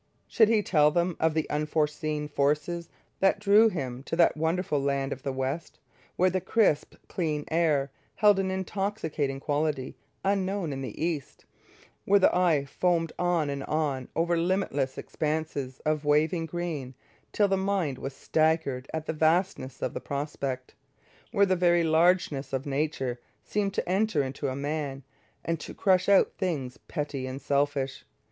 Should he tell them of the unseen forces that drew him to that wonderful land of the West where the crisp clear air held an intoxicating quality unknown in the East; where the eye foamed on and on over limitless expanses of waving green, till the mind was staggered at the vastness of the prospect; where the very largeness of nature seemed to enter into a man and to crush out things petty and selfish?